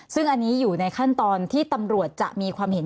ซึ่งอันนี้อยู่ในขั้นตอนที่ตำรวจจะมีความเห็น